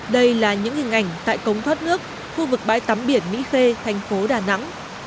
đây là những hình ảnh tại cống thoát nước khu vực bãi tắm biển mỹ khê thành phố đà nẵng